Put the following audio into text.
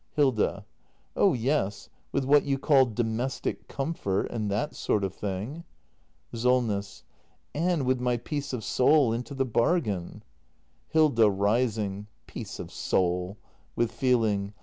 Hilda. Oh yes — with what you call domestic comfort — and that sort of thing. SOLNESS. And with my peace of soul into the bargain. Hilda. [Rising.] Peace of soul! [With feeling.